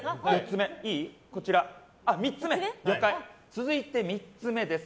続いて３つ目です。